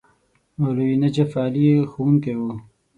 مولوي نجف علي ښوونکی وو.